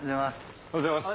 おはようございます。